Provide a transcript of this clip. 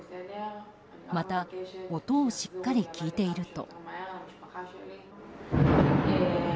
また、音をしっかり聞いていると。